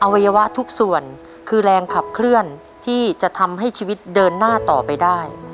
วัยวะทุกส่วนคือแรงขับเคลื่อนที่จะทำให้ชีวิตเดินหน้าต่อไปได้